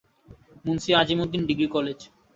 Munshi Azim Uddin degree college.